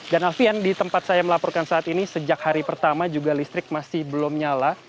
dan alvian di tempat saya melaporkan saat ini sejak hari pertama juga listrik masih belum nyala